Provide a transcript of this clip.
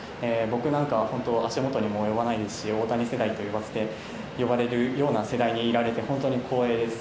僕なんかは本当、足元にも及ばないですし、大谷世代と呼ばせてもらえるような世代にいられて、本当に光栄です。